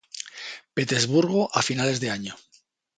Petersburgo a finales del año.